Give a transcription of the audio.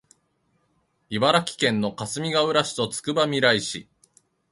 茨城県のかすみがうら市とつくばみらい市